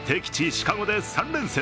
シカゴで３連戦。